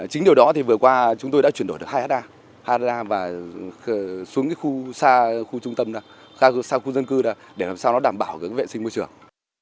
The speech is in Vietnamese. chính điều đó thì vừa qua chúng tôi đã chuyển đổi được hai ha và xuống khu xa khu dân cư để làm sao nó đảm bảo vệ sinh môi trường